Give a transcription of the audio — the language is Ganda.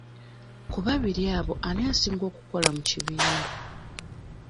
Ku babiri abo ani asinga okukola mu kibiina?